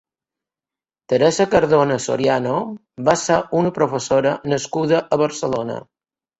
Teresa Cardona Soriano va ser una professora nascuda a Barcelona.